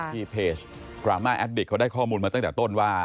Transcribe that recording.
ที่เพจดราม่าแอดดิกเขาได้ข้อมูลมาตั้งแต่ต้นว่า